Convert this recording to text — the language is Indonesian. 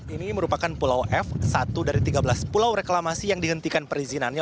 ini merupakan pulau f satu dari tiga belas pulau reklamasi yang dihentikan perizinannya